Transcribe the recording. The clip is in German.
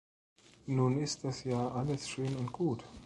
Nun ist das ja alles schön und gut!